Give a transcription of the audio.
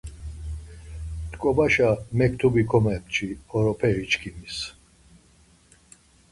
T̆ǩobaşe mektubi komepçi oroperi çkimis.